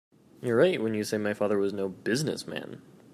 You're right when you say my father was no business man.